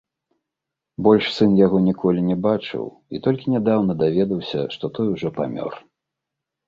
Больш сын яго ніколі не бачыў і толькі нядаўна даведаўся, што той ужо памёр.